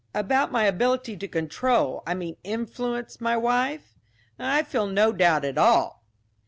"About my ability to control I mean influence, my wife? I feel no doubt at all."